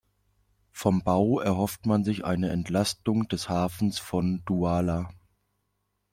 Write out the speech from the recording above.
Vom Bau erhofft man sich eine Entlastung des Hafens von Douala.